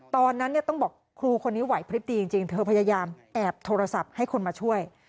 ตอนนั้นเนี่ยต้องบอกครูคนนี้ไหวพลิบดีจริงเธอพยายามแอบโทรศัพท์ให้คนมาช่วย